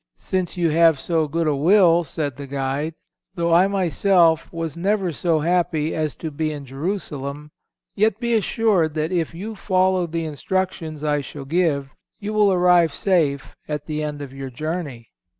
—"Since you have so good a will," said the guide, "though I myself was never so happy as to be in Jerusalem, yet be assured that if you follow the instructions I shall give, you will arrive safe at the end of your journey."